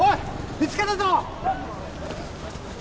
見つけたぞ！